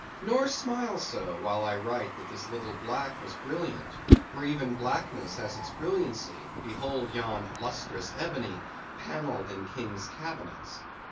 Nor smile so, while I write that this little black was brilliant, for even blackness has its brilliancy; behold yon lustrous ebony, panelled in king's cabinets.